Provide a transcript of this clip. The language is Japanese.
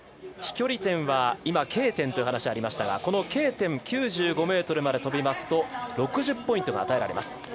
飛距離点は、今Ｋ点という話がありましたがＫ点９５ｍまで飛びますと６０ポイントが与えられます。